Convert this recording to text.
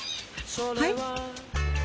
はい？